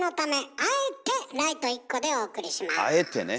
「あえて」ね。